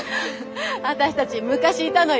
私たち昔いたのよ。